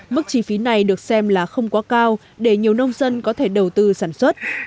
mức chi phí này được xem là không quá cao để nhiều nông dân có thể đầu tư sản xuất